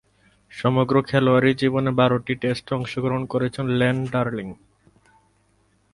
সমগ্র খেলোয়াড়ী জীবনে বারোটি টেস্টে অংশগ্রহণ করেছেন লেন ডার্লিং।